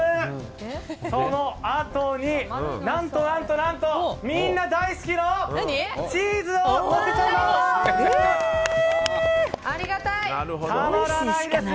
そのあとに、何と何とみんな大好きなチーズをのせちゃいます！